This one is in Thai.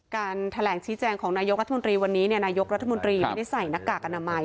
การแถลงชี้แจงของนายกรัฐมนตรีวันนี้นายกรัฐมนตรีไม่ได้ใส่หน้ากากอนามัย